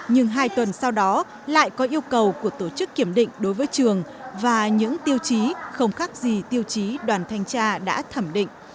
nhưng hai tuần sau đó lại có yêu cầu của tổ chức kiểm định đối với trường và những tiêu chí không khác gì tiêu chí đoàn thanh tra đã thẩm định